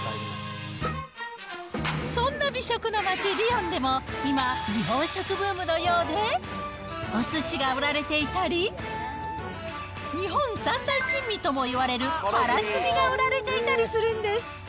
そんな美食の街、リヨンでも今、日本食ブームのようで、おすしが売られていたり、日本３大珍味ともいわれるカラスミが売られていたりするんです。